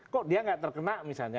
kok dia nggak terkena misalnya